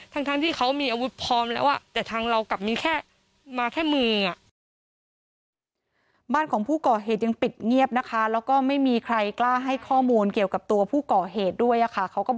ทั้งที่เขามีอาวุธพร้อมแล้วแต่ทางเรากลับมีแค่มาแค่มือ